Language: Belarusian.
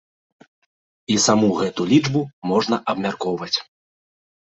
І саму гэтую лічбу можна абмяркоўваць.